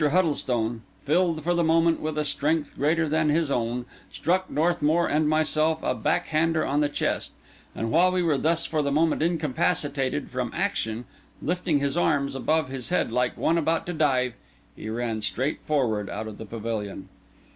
Huddlestone, filled for the moment with a strength greater than his own, struck Northmour and myself a back hander in the chest; and while we were thus for the moment incapacitated from action, lifting his arms above his head like one about to dive, he ran straight forward out of the pavilion.